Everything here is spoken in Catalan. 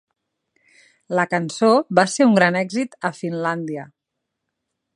La cançó va ser un gran èxit a Finlàndia.